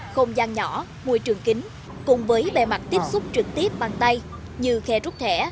không gian nhỏ môi trường kính cùng với bề mặt tiếp xúc trực tiếp bằng tay như khe rút thẻ